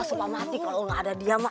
supa mati kalau gak ada dia mak